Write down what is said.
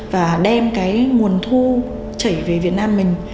và đem cái nguồn thu chảy về việt nam mình